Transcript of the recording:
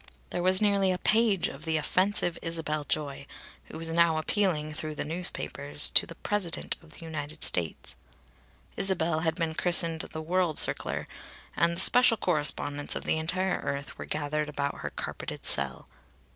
There was nearly a page of the offensive Isabel Joy, who was now appealing, through the newspapers, to the President of the United States. Isabel had been christened the World Circler, and the special correspondents of the entire earth were gathered about her carpeted cell.